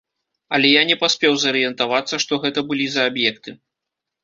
Але я не паспеў зарыентавацца, што гэта былі за аб'екты.